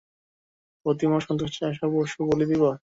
প্রতিমার সন্তুষ্টির আশার পশু বলি দিবে।